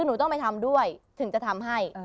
หนูต้องไปทำด้วยถึงจะทำให้